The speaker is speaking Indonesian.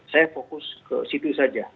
saya fokus ke situ saja